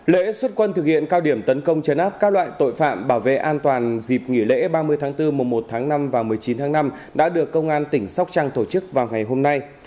lễ xuất quân thực hiện cao điểm tấn công chấn áp cao loại tội phạm bảo vệ an toàn dịp nghỉ lễ ba mươi tháng bốn mùa một tháng năm và một mươi chín tháng năm đã được công an tỉnh sóc trăng tổ chức vào ngày hôm nay